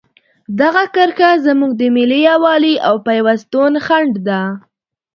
دغه کرښه زموږ د ملي یووالي او پیوستون خنډ ده.